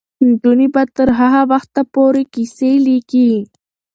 نجونې به تر هغه وخته پورې کیسې لیکي.